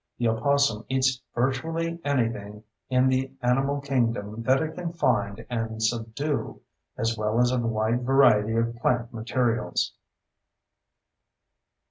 The opossum eats virtually anything in the animal kingdom that it can find and subdue, as well as a wide variety of plant materials.